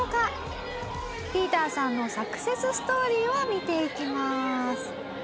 ＰＩＥＴＥＲさんのサクセスストーリーを見ていきます。